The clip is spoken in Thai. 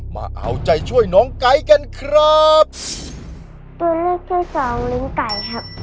มาเอาใจช่วยน้องไก๊กันครับตัวเลือกที่สองลิ้นไก่ครับ